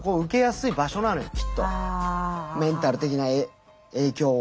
メンタル的な影響を。